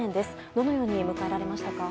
どのように迎えられましたか？